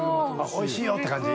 おいしいよって感じ？